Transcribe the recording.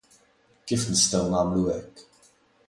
Kif nistgħu nagħmlu hekk?